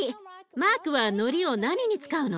マークはのりを何に使うの？